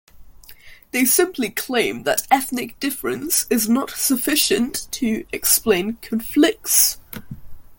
They simply claim that ethnic difference is not sufficient to explain conflicts.